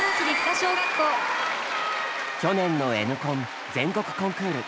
去年の「Ｎコン」全国コンクール。